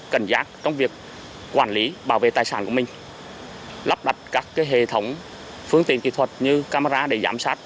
cẩn giác trong việc quản lý bảo vệ tài sản của mình lắp đặt các hệ thống phương tiện kỹ thuật như camera để giám sát